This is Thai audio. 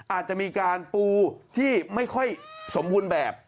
อาจจะมีการปูที่ไม่ค่อยสมบูรณ์แบบ